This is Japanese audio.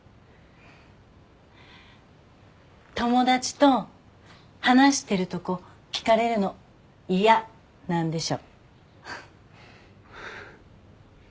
友達と話してるとこ聞かれるの嫌なんでしょ。